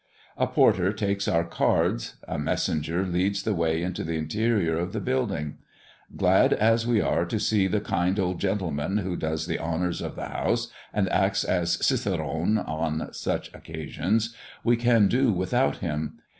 A porter takes our cards; a messenger leads the way into the interior of the building. Glad as we are to see the kind old gentleman who does the honours of the house, and acts as cicerone on such occasions, we can do without him.